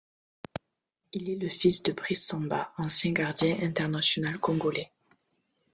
Il est le fils de Brice Samba, ancien gardien international congolais.